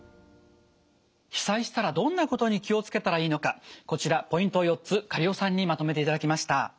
被災したらどんなことに気を付けたらいいのかこちらポイント４つ苅尾さんにまとめていただきました。